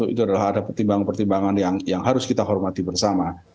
itu adalah ada pertimbangan pertimbangan yang harus kita hormati bersama